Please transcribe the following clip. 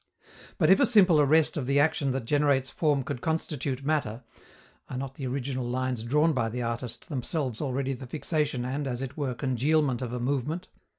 But if a simple arrest of the action that generates form could constitute matter (are not the original lines drawn by the artist themselves already the fixation and, as it were, congealment of a movement?)